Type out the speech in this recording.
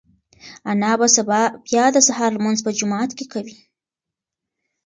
انا به سبا بیا د سهار لمونځ په جومات کې کوي.